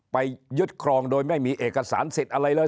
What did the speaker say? ไปยึดครองโดยไม่มีเอกสารสิทธิ์อะไรเลย